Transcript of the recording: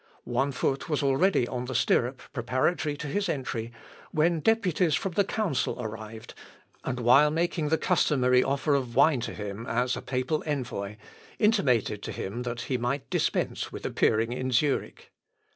One foot was already on the stirrup preparatory to his entry, when deputies from the council arrived, and while making the customary offer of wine to him as a papal envoy, intimated to him that he might dispense with appearing in Zurich.